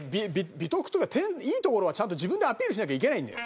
美徳とかいいところはちゃんと自分でアピールしなきゃいけないんだよ。